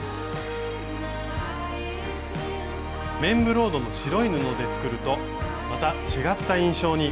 綿ブロードの白い布で作るとまた違った印象に。